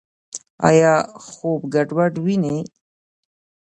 ایا خوب ګډوډ وینئ؟